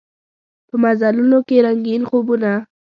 په مزلونوکې رنګین خوبونه